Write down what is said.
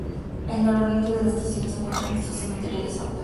Al nororiente de la Estación se encuentra el Museo Cementerio San Pedro.